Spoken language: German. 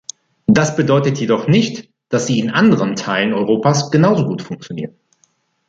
Das bedeutet jedoch nicht, dass sie in anderen Teilen Europas genauso gut funktionieren.